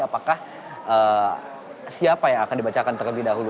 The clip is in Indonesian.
apakah siapa yang akan dibacakan terlebih dahulu